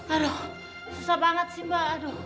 aduh susah banget sih mba